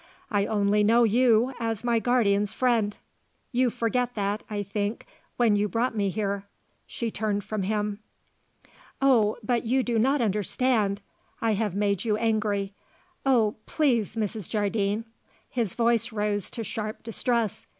I only know you as my guardian's friend; you forgot that, I think, when you brought me here." She turned from him. "Oh, but you do not understand! I have made you angry! Oh, please, Mrs. Jardine;" his voice rose to sharp distress.